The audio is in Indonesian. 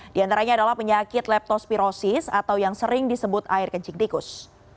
di antaranya adalah penyakit leptospirosis atau yang sering disebut air kencing tikus